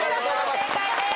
正解です。